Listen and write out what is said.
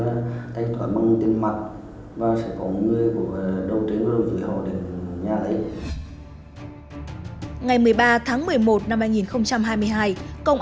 toán bằng tên mặt và sẽ có người của đầu tiên đối với họ đến nhà đấy ngày một mươi ba tháng một mươi một năm hai nghìn hai mươi hai công